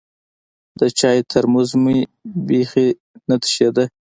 د چايو ترموز مې بيخي نه تشېده.